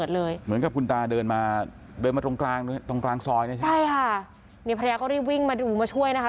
นี่ภรรยาก็รีบวิ่งมาดูมาช่วยนะคะ